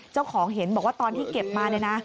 เจ้าของเห็นบอกว่าตอนที่เก็บมาเนี่ยนะ